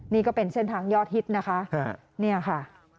นี่ก็เป็นเส้นทางยอดฮิตนะคะ